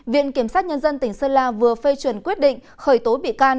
viện kiểm sát nhân dân tỉnh sơn la vừa phê chuẩn quyết định khởi tố bị can